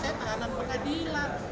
saya tahanan pengadilan